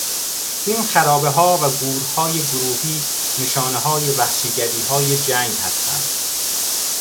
این خرابهها و گورهای گروهی نشانههای وحشیگریهای جنگ هستند.